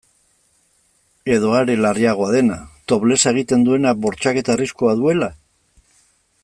Edo are larriagoa dena, toplessa egiten duenak bortxaketa arriskua duela?